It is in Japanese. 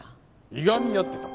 いがみ合ってた？